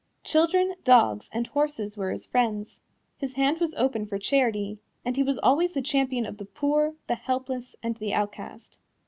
Children, dogs and horses were his friends. His hand was open for charity, and he was always the champion of the poor, the helpless and the outcast.